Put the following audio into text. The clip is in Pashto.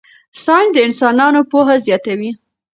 ساینس د انسانانو پوهه زیاتوي.